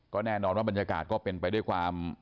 ก็แน่นอนว่าบรรยากาศก็เป็นไปด้วยความ